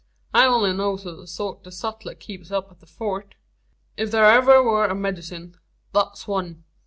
I only knows o' the sort the sutler keeps up at the Fort. Ef thur ever wur a medicine, thet's one.